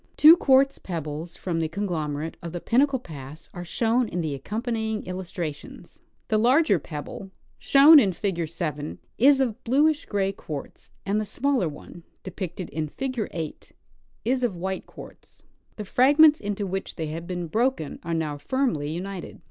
Two quartz pebbles from the conglomerate of Pinnacle pass are shown in the accompanying illustrations. The larger jjebble (shown in figure 7) is of bluish gray quartz, and the smaller one (depicted in figure 8) is of white quartz. The fragments into which they have been broken are now firmly united.